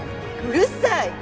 うるさい！